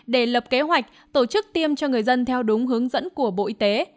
để lập kế hoạch tổ chức tiêm cho người dân theo đúng hướng dẫn của bộ y tế